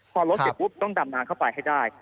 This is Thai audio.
พอลดเสร็จปุ๊บต้องดำน้ำเข้าไปให้ได้